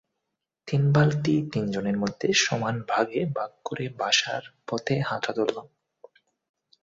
তিন বালতি তিনজনের মধ্যে সমান ভাগে ভাগ করে বাসার পথে হাঁটা ধরলাম।